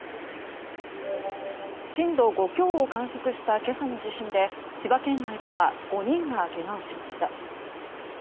震度５強を観測した今朝の地震で千葉県内では５人がけがをしました。